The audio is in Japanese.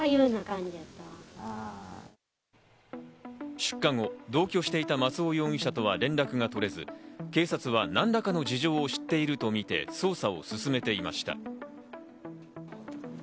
出火後、同居していた松尾容疑者とは連絡が取れず、警察は何らかの事情を知っているとみて捜査を進めていました。